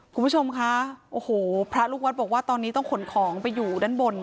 คุณผู้ชมคะโอ้โหพระลูกวัดบอกว่าตอนนี้ต้องขนของไปอยู่ด้านบน